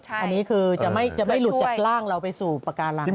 อันนี้คือจะไม่หลุดจากร่างเราไปสู่ปากการัง